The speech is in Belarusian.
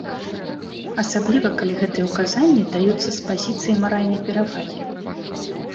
Асабліва калі гэтыя ўказанні даюцца з пазіцыі маральнай перавагі.